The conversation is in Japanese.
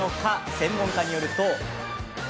専門家によると。